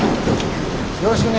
よろしぐね。